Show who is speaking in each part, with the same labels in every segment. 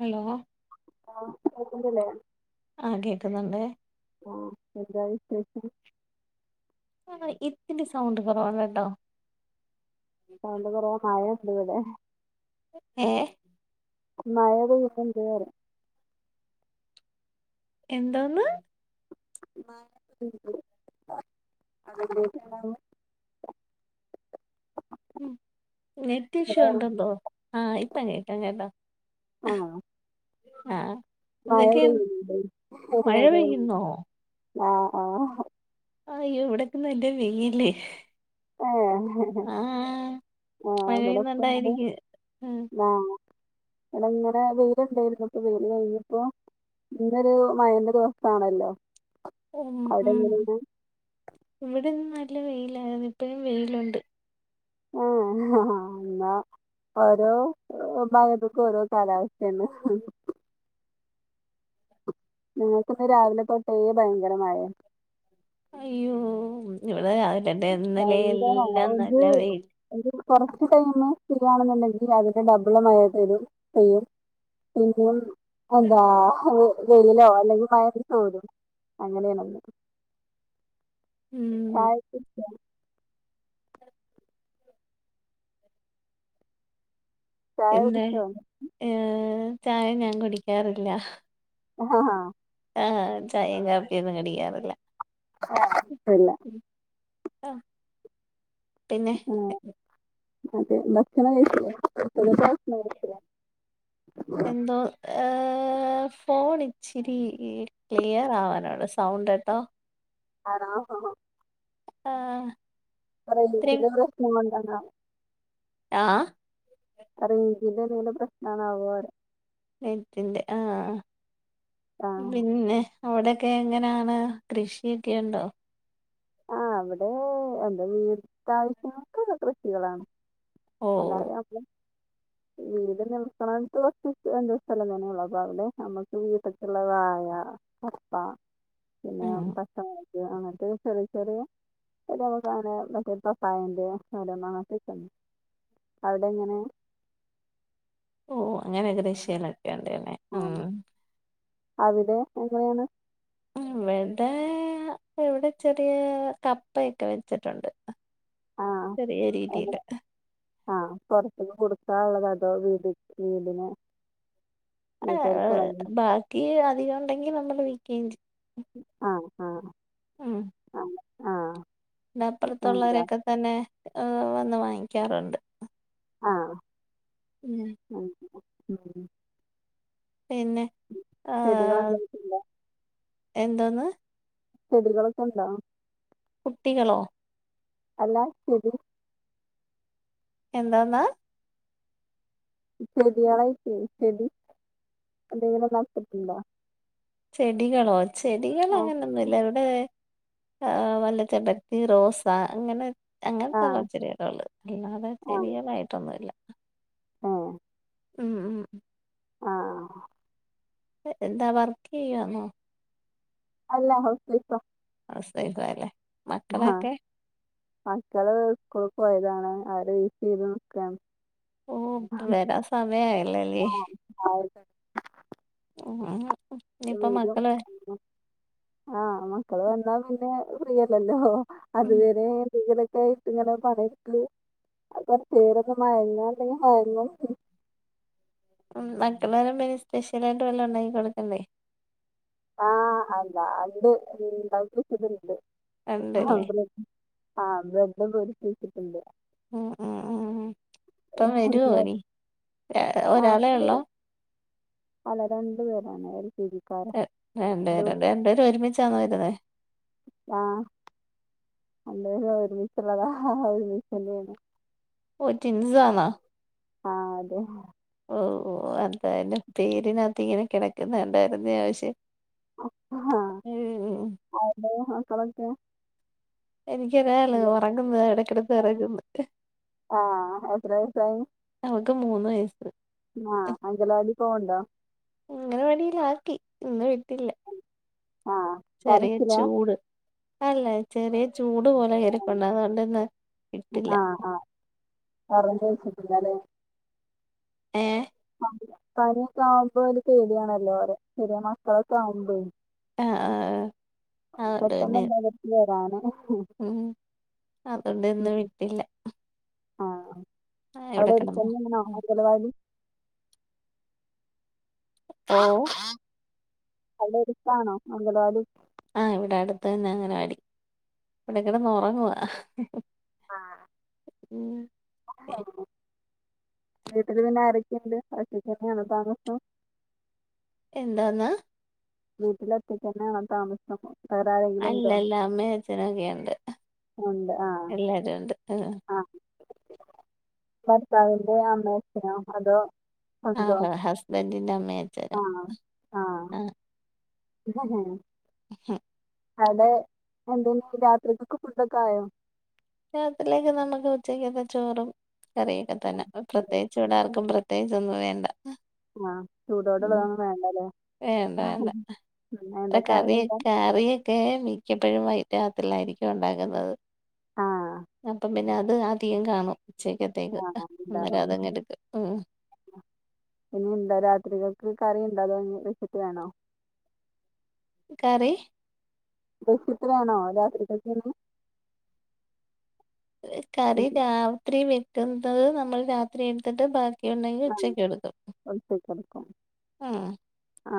Speaker 1: Hello
Speaker 2: ആഹ് കേക്ക്ന്ന്ല്ലേ
Speaker 1: ആഹ് കേൾക്കുന്നുണ്ട്
Speaker 2: ആഹ് എന്താ വിശേഷം
Speaker 1: ആഹ് ഇത്തിരി സൗണ്ട് കുറവല്ല ട്ടോ
Speaker 2: സൗണ്ട് കുറവ മഴയുണ്ട് ഇവിടെ
Speaker 1: ഏഹ്
Speaker 2: മയപെയ്യ്ന്ന്ണ്ട്റിയ.
Speaker 1: എന്തോന്ന്
Speaker 2: മാ [unintelligible]
Speaker 1: [inaudible] ഉം നെറ്റ്
Speaker 2: ഇവിടെ
Speaker 1: ഇഷ്യൂ എന്തൊണ്ടോ ആഹ് ഇപ്പം കേക്കാം കേൾകാം
Speaker 2: ആണോ
Speaker 1: ആഹ്
Speaker 2: മഴ പെയ്യ്ണ്ട് അതാ
Speaker 1: പെയ്യുന്നോ
Speaker 2: ആഹ് ആഹ്
Speaker 1: ആയ്യാേ വെടാെക്കെ നല്ല വെയ്ല്
Speaker 2: ഏഹ്
Speaker 1: മഴ
Speaker 2: ആഹ് ഇവിടെപ്പോ എങ്ങനെയാ
Speaker 1: പെയ്യുന്നുണ്ടായിരിക്കും ഉം
Speaker 2: ആഹ് വെടെങ്ങെനെ വെയ്ല്ണ്ടേര്ന്നു ഇപ്പ വെ വെയ്ല്‌പ്പോ ഇന്നൊരു മഴന്റെ ദിവസാണല്ലൊ
Speaker 1: ഉം ഉം ഇവിടെന്ന് നല്ല വെയിലായിരുന്നു ഇപ്പഴും വെയിലുണ്ട്
Speaker 2: ഏഹ് എന്താ ഓരോ ഭാഗത്ത്ക്കും ഓരോ കാലാവസ്ഥോണ്. ഞങ്ങക്ക്ന്ന് രാവിലെ തൊട്ടേ ഭയങ്കര മഴയാ
Speaker 1: അയ്യോ ഇവിടെ രാവിലെ ഇട്ട് ഇന്നലെ
Speaker 2: ഭയങ്കര
Speaker 1: എല്ലാം
Speaker 2: ഒരു
Speaker 1: നല്ല വെയില
Speaker 2: ഒരു കുറച്ച് ടൈംമ് ഫ്രീയാണെന്നുണ്ടെങ്കില് അതിന്റെ ഡബിള് തരും പെയ്യും പിന്നും എന്താ വെയിലിലൊ അല്ലെങ്കി വയറി [unintelligible] [unintelligible] അങ്ങനെയാണല്ലെ
Speaker 1: [unintelligible] ഉം
Speaker 2: [inaudible] ചായ
Speaker 1: എന്തെ
Speaker 2: കുടിച്ചോ
Speaker 1: ഏ, ചായ ഞാൻ കുടിക്കാറില്ല
Speaker 2: ആഹ ഹ ആഹാ
Speaker 1: ആഹ ചായയും കാപ്പി ഒന്നും കടിക്കാറില്ല,
Speaker 2: ഇല്ല
Speaker 1: ആഹ പിന്നെ
Speaker 2: ആ, [unintelligible]
Speaker 1: എന്തോ എആ ഫോൺ ഇച്ചിരി ക്ലിയർ ആവാനോണ്ട് സൗണ്ട് എട്ടോ
Speaker 2: ആണോ ആഹാ
Speaker 1: ആഹ
Speaker 2: റേഞ്ച് ന്റെ പ്രശ്നം കൊണ്ടണ
Speaker 1: ആഹ
Speaker 2: റേഞ്ച് ന്റെ എന്തേലും പ്രശ്നം ആണോ [inaudible]
Speaker 1: നെറ്റിൻന്റെ ആഹ
Speaker 2: ആ
Speaker 1: പിന്നെ അവിടെക്കെ എങ്ങനെ ആണ് കൃഷി ഒക്കെയുണ്ടോ
Speaker 2: ആഹ അവിടെ എന്താ വീട്ടാവശ്യങ്ങൾക്കക്കെ കൃഷികളാണ്
Speaker 1: ഓഹ്
Speaker 2: അല്ലാതെ അ
Speaker 1: [unintelligible]
Speaker 2: വീട് നിൽക്കണം തോ എന്ത സ്ഥല തനെയ ഉള്ളപ്പ അവിടെ നമ്മുക്ക് വീട്ടൊക്കെുള്ളതായാ കപ്പ പിന്നെ
Speaker 1: ആഹ്
Speaker 2: പച്ചമുളക് അങ്ങനത്തെ ചെ ചെറിയ നമുക്ക് അങ്ങനെ മറ്റേ പത്തായന്റെ അടെന്ന അങ്ങക്ക അവിടെ എങ്ങനെ
Speaker 1: ഓ അങ്ങനെ കൃഷികളെക്കെ ഉണ്ടന്നെ
Speaker 2: ആ, അവിടെ എങ്ങനെയാണ്
Speaker 1: ഇവിടെ ഇവിടെ ചെറിയ കപ്പയൊക്കെ വെച്ചിട്ടുണ്ട് ചെറിയരീതിയില്
Speaker 2: ആഹ പുറത്തന്ന് കൊടുക്കാ ഉള്ളത് അതോ വീട് വീടിന്
Speaker 1: ആഹാ
Speaker 2: വീട്ടുകാർക്കുള്ള
Speaker 1: ബാക്കി അധികം ഉണ്ടെങ്കിൽ നമ്മള് വിക്കുകയും ചെയ്യും
Speaker 2: ആഹ് ആഹ ആഹ ആഹ
Speaker 1: പിന്നെ അപ്പുറത്തുള്ളവരൊക്കെ തന്നെ വന്ന് വാങ്ങിക്കാറുണ്ട്
Speaker 2: ആഹ്
Speaker 1: ഉം
Speaker 2: ഉം
Speaker 1: പിന്നെ ഏഹ്
Speaker 2: ചെടികളെന്താ
Speaker 1: എന്തോന്ന്.
Speaker 2: ചെടികളൊക്കെ ഉണ്ടോ.
Speaker 1: കുട്ടികളോ
Speaker 2: അല്ലാ ചെടി.
Speaker 1: എന്താന്ന്.
Speaker 2: ചെട്യാളായ്റ്റെ ചെടി. എന്തെങ്കിലും നട്ടിട്ട്ണ്ടോ.
Speaker 1: ചെടികളോ ചെടികള്
Speaker 2: ആഹ്
Speaker 1: അങ്ങനൊന്നുല്ല. ഹ് വല്ല ചമ്പരത്തി റോസ അങ്ങനെ അങ്ങൻത്തെള്ള
Speaker 2: ആഹ്
Speaker 1: ചെടികളെ ഉള്ളെത്, അല്ലാതെ ചെടികളായിട്ടൊന്നുല്ല.
Speaker 2: ആ
Speaker 1: ഉം ഉം
Speaker 2: ആഹ്
Speaker 1: എന്താ വർക്ക് ചെയ്യാന്നോ
Speaker 2: അല്ല ഹൗസ് വൈഫ
Speaker 1: ഹൗസ് വൈഫാല്ലേ
Speaker 2: ആഹ്
Speaker 1: മക്കളൊക്കെ
Speaker 2: മാക്കള് സ്കൂള്ക്ക് പോയതാണ്. അവരെ വെയ്റ്റ് ചെയ്ത് നീക്കാണ്.
Speaker 1: ഓ വരാ സമയായല്ലല്ലേ.
Speaker 2: ആഹ് ആയി.
Speaker 1: ഇഞ്ഞിപ്പോ മക്കള്.
Speaker 2: ആഹ് മക്കള് വന്നാ പിന്നെ ഫ്രീയല്ലല്ലോ
Speaker 1: ഉം
Speaker 2: അതുവരെ. ഇങ്ങനൊക്കായിട്ട്ങ്ങനെ പറയുംക്ക്. അയ്ന്റെ പേരൊന്ന് മയങ്ങാ ഇണ്ടെങ്കി മയങ്ങും
Speaker 1: മക്കൾവരുമ്പോ സ്പെഷ്യലായിട്ട് വല്ലൊ ഉണ്ടാക്കി കൊടുക്കെണ്ടേ.
Speaker 2: ആഹ് അല്ല ഇണ്ട് ഉണ്ടാക്കി വെച്ചത് ഇണ്ട്. ആഹ്
Speaker 1: ഉണ്ടല്ലേ
Speaker 2: ബ്രെഡ് പൊരിച്ച് വെച്ചിട്ടുണ്ട്.
Speaker 1: ഉം ഉം ഉം ഇപ്പം വരോ
Speaker 2: ആഹ്
Speaker 1: ഇനി ഒരാളെ
Speaker 2: അപ്പൊ
Speaker 1: ഉള്ളോ?
Speaker 2: വരും അല്ല രണ്ടു പേരാണ് എൽ കേ ജി.
Speaker 1: രണ്ട് പേര് രണ്ട് രണ്ട്പേരു ഒരുമിച്ചാ ന്നൊ എഴുത്ണത്.
Speaker 2: ആഹ്. രണ്ട് പേരും ഒരുമിച്ചുള്ളതാ അവര് ഒരുമിച്ച
Speaker 1: ഒഹ് ട്വിൻസ് ആണോ?
Speaker 2: ആഹ് അതെ.
Speaker 1: ഓഹ് ഓഹ് അ എന്തായാലും പേരിനകത്ത് ഇങ്ങനെ കെടക്കുന്ന കണ്ടായിരുന്നെ പക്ഷെ. [unintelligible]
Speaker 2: ഹലൊ മക്കളൊക്കെ
Speaker 1: എനിക്കൊരാള്
Speaker 2: ഇല്ലേ?
Speaker 1: ഒറങ്ങുന്ന എടക്കെടക്ക് ഉറങ്ങുന്നു.
Speaker 2: ആഹ് എത്ര വയസായി
Speaker 1: അവക്ക് മൂന്ന് വയസ്സ്.
Speaker 2: ആഹ് അഗലവാടി പോവ്ണ്ടോ?
Speaker 1: അംഗലവാടീലാക്കി. ഇന്ന് വിട്ടില്ല.
Speaker 2: ആഹ്
Speaker 1: ചെറിയ
Speaker 2: കരച്ചിലാ
Speaker 1: ചൂട് അല്ല ചെറിയ ചൂട് പോലെ. കൊണ്ടാവണ്ടന്ന് വിട്ടില്ല.
Speaker 2: ആഹ്. പറഞ് വെച്ചിട്ടില്ലാലെ.
Speaker 1: ഏഹ്.
Speaker 2: പനിയൊക്കെ ആകുമ്പോ ഒരു പേടിയാണലോ ചെറിയ മക്കളൊക്കെ ആകുമ്പോഴ്.
Speaker 1: ആഹ് ആഹ് അതുകൊണ്ട്
Speaker 2: പെട്ടെന്ന്
Speaker 1: പിന്നെ
Speaker 2: ണ്ടകത്തി വരാനാ.
Speaker 1: ഉം അതുകൊണ്ട് ഇന്നും വിട്ടില്ല.
Speaker 2: ആഹ്
Speaker 1: ആഹ് ഇവിടെ
Speaker 2: അവിടെ
Speaker 1: കിടന്നോ
Speaker 2: എടുത്തന്നെയാണോ അംഗനവാടി.
Speaker 1: ഓഹ്.
Speaker 2: അവിടെ എടുത്താണൊ ആഗലവാടി.
Speaker 1: ആഹ് ഇവിടെ അടുത്ത് തന്നെ അങ്ങനവാടി ഇവിടെക്കെടെന്ന് ഒറങ്ങുവ. ഉം.
Speaker 2: വീട്ടിൽ പിന്നെ ആരക്കെയുണ്ട് ഒറ്റകെന്നയാണോ താമസം.
Speaker 1: എന്തോന്ന.
Speaker 2: വീട്ടിൽ ഒറ്റകെനെയാണോ താമസം. [unintelligible]
Speaker 1: അല്ല അല്ല അമ്മേഛനൊക്കെണ്ട്
Speaker 2: ഉണ്ട് ആഹ്
Speaker 1: എല്ലാരും ഒണ്ട്.
Speaker 2: ആഹ് ഭർത്താവിന്റെ അമ്മ അഛനോ അതോ? സ്വന്തോ
Speaker 1: ആഹ് ഹസ്ബൻഡിന്റെ അമ്മയും അച്ഛനും
Speaker 2: ആഹ് ആഹ്. ഇതന്നെയാണ്.
Speaker 1: ഹേ-
Speaker 2: അടെ എന്ത രാത്രികൊക്കെ ഫുടോക്കെ ആയോ.
Speaker 1: രാത്രിലേക്ക് നമ്മുക്ക് ഉച്ചയ്ക്കത്തെ ചോറും. കറിയൊക്കെ തന്നെ പ്രത്യേകിച്ച് ഇവിട
Speaker 2: ഫുഡൊക്കെ
Speaker 1: ആർക്കും പ്രത്യേകിച്ചോന്നും വേണ്ട.
Speaker 2: ആഹ്
Speaker 1: ഉം
Speaker 2: ചൂടോടെള്ളതൊന്നും വേണ്ടല്ലേ.
Speaker 1: വേണ്ട വേണ്ട
Speaker 2: ഉം എന്താ
Speaker 1: ഇതാ
Speaker 2: കറി എന്താ?
Speaker 1: കറിയൊക്കെ. കറിയക്കെ മിക്കപ്പഴും വൈ രാത്രിലായിരിക്കും ഒണ്ടാക്കുന്നത്
Speaker 2: ആഹ്
Speaker 1: അപ്പൊ പിന്നെ അത് അധികം കാണും ഉച്ചക്കത്തേക്ക്
Speaker 2: ആഹ്
Speaker 1: അന്നരം അതങ്ങ് എടുക്കും‌ ഉം
Speaker 2: ഇന്ന് ഇന്ത രാത്രികക്ക് കറി ഇണ്ട അതോ നി വെച്ച്ട്ട് വേണോ
Speaker 1: കറി
Speaker 2: വെച്ച്ട്ട് വേണോ രാത്രിക്ക്‌ കറി
Speaker 1: കറി രാത്രി വെക്കുന്നത് നമ്മൾ രാത്രി എടുത്തട്ട് ബാ ക്കി ഒണ്ടെങ്കി ഉച്ചക്കെടുക്കും
Speaker 2: പോയ്‌ കടുപ്പം
Speaker 1: ആഹ്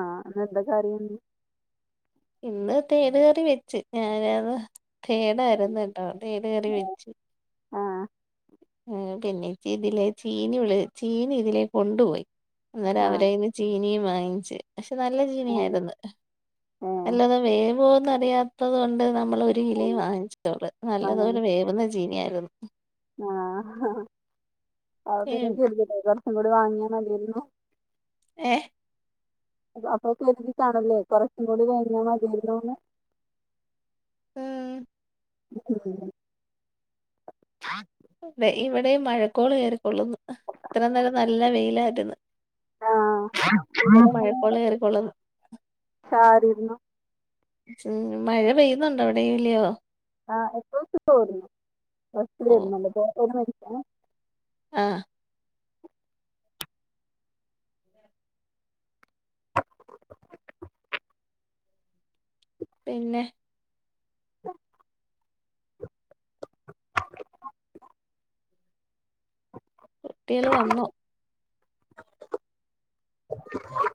Speaker 2: ആഹ് ഇന്ന് എന്താ കറിം
Speaker 1: ഇന്ന് തേട് കറി വെച്ച് ഞാനത് തേടാര്ന്ന് കെട്ടോ തേട്കറി വെച്ചു.
Speaker 2: ആഹ്
Speaker 1: പിന്നേച്ചി ഇതിലെ ചീനി വ്ള് ചീനി ഇതിലേ കൊണ്ട്പോയി അന്നേരം
Speaker 2: ആഹ്
Speaker 1: അവരെ കയ്യീന്ന് ചീനിയും വാങ്ങിച്ച് പക്ഷെ നല്ല
Speaker 2: ആഹ്
Speaker 1: ചീനിയാര്ന്ന്
Speaker 2: ഏഹ്
Speaker 1: നല്ലത് വേവ്വൊന്ന് അറിയാത്തത്കൊണ്ട് നമ്മള് ഒര് കിലെ വാങ്ങിച്ചിട്ടൊള്
Speaker 2: ആഹ്
Speaker 1: നല്ലതുപോലെ വേവ്ന്ന ചീനിയാര്ന്ന്
Speaker 2: ആഹ് അഹ് അ
Speaker 1: ഉം
Speaker 2: പിന്നക്കെ ഇടിക്കണ്ടേ കൊറച്ചും കൂടി വാങ്ങിയാമതിയെരുന്നു
Speaker 1: ഏഹ്
Speaker 2: അപ്പൊ കരുതിട്ടാണല്ലേ കൊറച്ചും കൂടി വാങ്ങിയ മതിയാരുന്നൂന്ന്
Speaker 1: ആഹ് വ്ടെ ഇവ്ടേം മഴക്കോള് കെറിക്കൊള്ള്ന്ന് ഇത്ര നേരം നല്ല വെയിലാര്ന്ന്
Speaker 2: ആഹ് ഇവിടങ്ങനെ
Speaker 1: കേറിക്കോളും
Speaker 2: ചാറീര്ന്നു
Speaker 1: മഴ പെയ്യുന്നൊണ്ടോ അവിടെയും ഇല്ലിയോ
Speaker 2: ആഹ എപ്പോ [unintelligible] ബസ്സ് ഇതിലെ
Speaker 1: ഓ
Speaker 2: വെരുന്നുണ്ട്‌പ്പോ ഇപ്പൊ എവ്ട്ന്നാ വെര്ന്നെ
Speaker 1: ആഹ് പിന്നെ
Speaker 2: ടും [unintelligible]
Speaker 1: കുട്ടികള് വന്നോ
Speaker 2: ഹ്ഹ് വന്നക്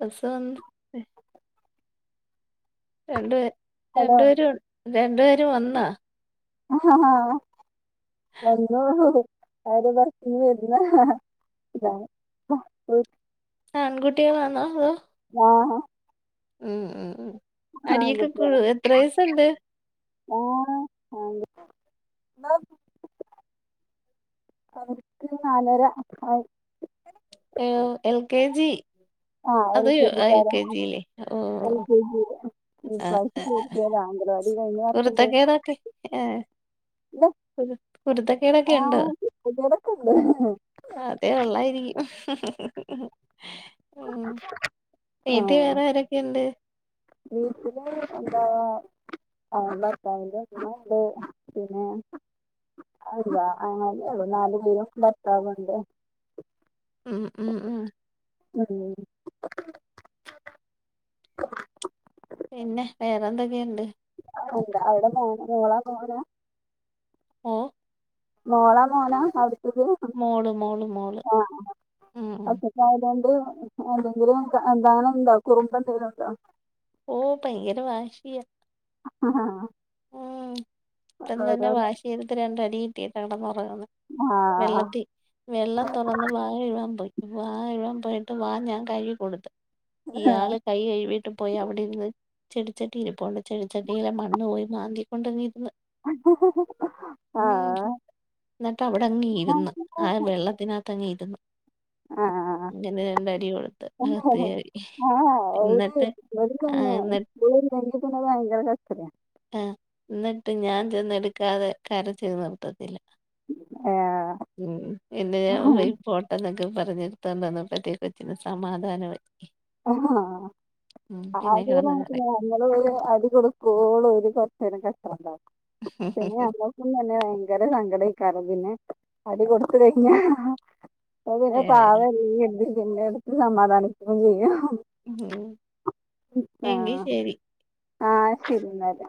Speaker 1: ബസ്സ് വന്ന് രണ്ട് പേ
Speaker 2: ഹലോ
Speaker 1: രണ്ടു പേരും രണ്ടു പേരു വന്നാ
Speaker 2: ആഹ് വന്നു അവര് ബസ്സിന് വരുന്ന ഹഹ സ്സിലാണ് [unintelligible]
Speaker 1: ആൺകുട്ടികളാന്നോ അതോ
Speaker 2: ആഹ്
Speaker 1: ഉം ഉം ഉ അടിയെക്ക
Speaker 2: ആൺകുട്ടികളാ
Speaker 1: കൂടുവോ എത്ര വയസൊണ്ട്
Speaker 2: [unintelligible] അവർക്ക് നാലര ആ
Speaker 1: എ ഒ എൽ കെ ജി
Speaker 2: ആഹ്
Speaker 1: അതോ യു
Speaker 2: കെ
Speaker 1: എൽ
Speaker 2: ജിക്കാര
Speaker 1: കെ ജി ലെ അ ഓ ഓ
Speaker 2: എൽ കെ ജി
Speaker 1: ഓ ഓ അ
Speaker 2: ഇപ്രാവശ്യം ചേർത്തിയതാ അംഗനവാടി കഴിഞ്ഞ വർഷം പോയി
Speaker 1: കുരുത്തക്കേട് ഒക്കെ ഹ്
Speaker 2: ഇല്ല
Speaker 1: കുരു കുരുത്തക്കേടൊക്കെ
Speaker 2: ആ
Speaker 1: ഇണ്ട്
Speaker 2: കുട്ടികളൊക്കെ ഉണ്ട്
Speaker 1: ആഹ് അതെ ഒള്ളായിരിക്കും ഉം വീട്ടിൽ വേറെ ആരൊക്കെ ഒണ്ട്
Speaker 2: വീട്ടില ന്താ ആഹ് ബർത്താവിന്റ ഉമ്മ ഒണ്ട് പിന്നെ അതല്ല അങ്ങനെ ഒള്ളു നാല് മൂന്ന് ഭർത്താവോണ്ട്.
Speaker 1: ആഹ് ആഹ് ആഹ്
Speaker 2: [unintelligible]
Speaker 1: പിന്നെ വേറെന്തൊക്കേണ്ട്?
Speaker 2: അവിട്ണ്ട അവ്ടെ മോ മോളാ മോനാ?
Speaker 1: ഏഹ്
Speaker 2: മോളാ മോനാ അവ്ട്ത്തത്?
Speaker 1: മോള് മോള് മോള് ആഹ്ആഹ്.
Speaker 2: തായ്‌ലൻ്റ്റ് എന്തെങ്കിലു എന്താണുണ്ടോ കുറുബെന്തെലുണ്ടോ?
Speaker 1: ഓഹ് പയങ്കരവാശിയാ.
Speaker 2: ആഹ്ഹ
Speaker 1: ഉം ഇപ്പതന്നെ വാശിയെടുത്ത് രണ്ടടി കിട്ടി കടന്നൊറങ്ങണ്.
Speaker 2: ആ
Speaker 1: വെള്ളത്തി വെള്ളം തുറന്ന് വാ കെഴ് കാൻ പോയി. വാഴയ്പോയിട്ട് വാ ഞാൻ കഴുകി കൊടുത്ത് ഇയാള് കൈ കഴിവീട്ട് പോയി അവിടിരുന്ന് ചെടിച്ചട്ടിയിരിപ്പുണ്ട് ചെടിച്ചട്ടിയിലെ മണ്ണ് പോയി മാന്തി. [unintelligible] ന്നാ
Speaker 2: ആ
Speaker 1: ന്നിട്ടവിടെങ്ങീരുന്ന് ആ വെള്ളത്തിന ട്ടങ്ങിയിരുന്നു.
Speaker 2: ആഹ്
Speaker 1: കൊടുത്ത്
Speaker 2: ആഹ് ആ
Speaker 1: അകത്ത് കേറി
Speaker 2: ആഹ് ഓര്
Speaker 1: എന്നിട്ട് ആ
Speaker 2: ഓര്ക്കെന്നെ [unintelligible]
Speaker 1: എന്നിട്ട് ആഹ് ന്നിട്ട് ഞാൻ ചെന്നിട്ക്കാതെ കരച്ചിൽ നിർത്തത്തില്ല.
Speaker 2: ഏ,
Speaker 1: ഉം പിന്നെ ഓയി പോട്ടേന്നൊക്കെ പറഞ്ഞ് ഇടുത്തോണ്ടന്നപ്പത്തേകൊച്ചിന് സമാധാനായി.
Speaker 2: ആഹ്ഹ
Speaker 1: ഉം കിടന്ന്
Speaker 2: ആതൂരാത്തില ഇങ്ങള് ഓല് അടി കൊടുക്കോള്ളോര് കൊറ്ച്ചേരം കച്ചറുണ്ടാക്കും. പിന്നെ
Speaker 1: കരയും
Speaker 2: ഞ ൻക്കും തന്നെ ഭയങ്കര സങ്കടയ്ക്കാരം പിന്നെ. അടി കൊടുത്തു കഴിഞ്ഞ. അപ്പൊ പിന്നെ പാവല്ലെരുതി പിന്നെടുത്ത് സമാധാനിക്കുകയും ചെയ്യും.
Speaker 1: ഉം എങ്കി ശരി.
Speaker 2: ആഹ് ശരി ന്നാല്.